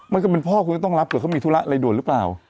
มันก็เป็นพ่อคุณต้องรับเพราะว่ามีธุระอะไรด่วนรึเปล่า